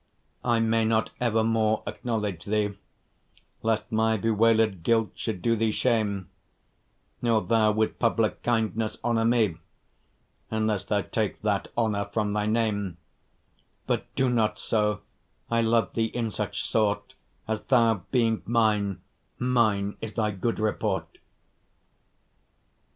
I may not evermore acknowledge thee, Lest my bewailed guilt should do thee shame, Nor thou with public kindness honour me, Unless thou take that honour from thy name: But do not so, I love thee in such sort, As thou being mine, mine is thy good report.